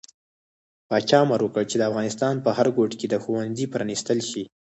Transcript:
پاچا امر وکړ چې د افغانستان په هر ګوټ کې د ښوونځي پرانستل شي.